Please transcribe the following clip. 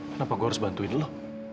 kenapa gue harus bantuin loh